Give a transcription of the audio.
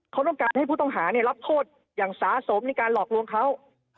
เขาต้องการให้ผู้ต้องหารับโทษอย่างสาสมในการหลอกลวงเขา